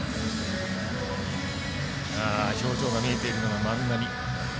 表情が見えているのは万波。